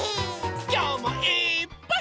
きょうもいっぱい。